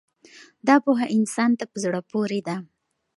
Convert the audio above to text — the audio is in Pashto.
دا پوهه انسان ته په زړه پورې ده.